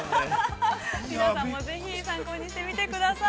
◆皆さんもぜひ参考にしてみてください。